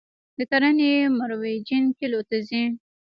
د کرنې مرویجین کلیو ته ځي